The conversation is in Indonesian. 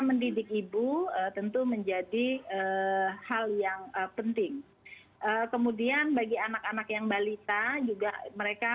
mendidik ibu tentu menjadi hal yang penting kemudian bagi anak anak yang balita juga mereka